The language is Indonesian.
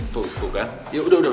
tuh tuh kan ya udah udah